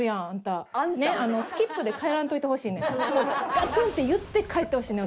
ガツンッ！って言って帰ってほしいねん